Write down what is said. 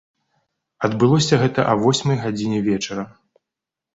Адбылося гэта а восьмай гадзіне вечара.